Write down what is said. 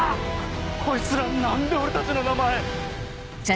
こいつら何で俺たちの名前！